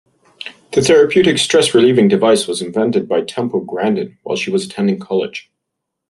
The therapeutic, stress-relieving device was invented by Temple Grandin while she was attending college.